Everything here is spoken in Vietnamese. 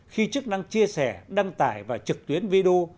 khi chức năng chia sẻ đăng tải và trực tuyến video